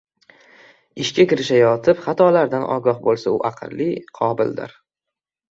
– ishga kirishayotib, xatolardan ogoh bo‘lsa u aqlli, qobildir;